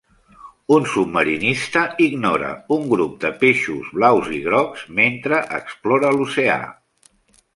Un submarinista ignora un grup de peixos blaus i grocs mentre explora l'oceà.